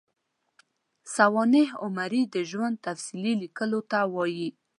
سوانح عمري د ژوند تفصیلي لیکلو ته وايي.